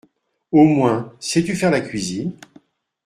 Au moins, sais-tu faire la cuisine ?